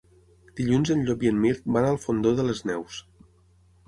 Dilluns en Llop i en Mirt van al Fondó de les Neus.